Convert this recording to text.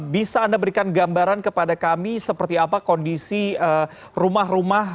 bisa anda berikan gambaran kepada kami seperti apa kondisi rumah rumah